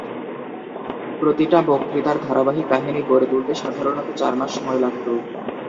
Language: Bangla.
প্রতিটা বক্তৃতার ধারাবাহিক কাহিনী গড়ে তুলতে সাধারণত চার মাস সময় লাগত।